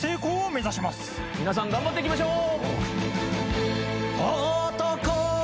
皆さん頑張っていきましょう！